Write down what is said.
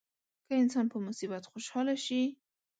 که انسان په مصیبت خوشاله شي.